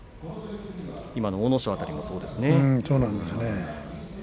今の阿武咲辺りもそうですね。